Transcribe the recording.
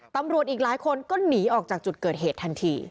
ตำรวจอีกหลายคนก็หนีออกจากจุดเกิดเหตุทันที